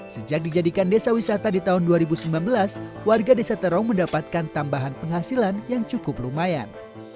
sejak dijadikan desa wisata di tahun dua ribu sembilan belas warga desa terong mendapatkan tambahan penghasilan yang cukup lumayan